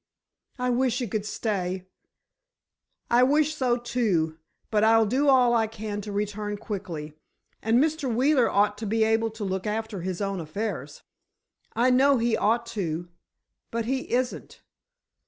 "I wish you could stay." "I wish so, too, but I'll do all I can to return quickly. And Mr. Wheeler ought to be able to look after his own affairs!" "I know he ought to—but he isn't.